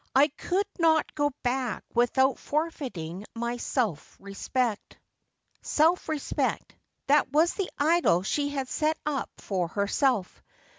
1 could not go back without forfeiting my self respect.' Self respect. That was the idol she had set up for herself.